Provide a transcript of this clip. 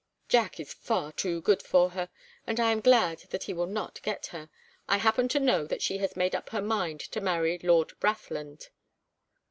"Jack is far too good for her, and I am glad that he will not get her. I happen to know that she has made up her mind to marry Lord Brathland."